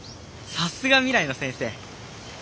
さすが未来の先生！！」。